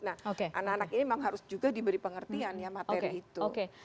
nah anak anak ini memang harus juga diberi pengertian ya materi itu